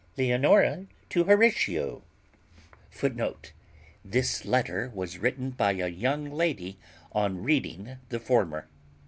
LEONORA TO HORATIO.[A] [A] This letter was written by a young lady on reading the former.